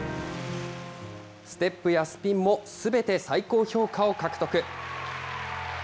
ステップやスピンもすべて最高評価を獲得。